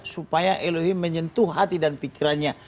supaya elohim menyentuh hati dan pikirnya